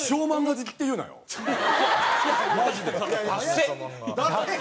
マジで。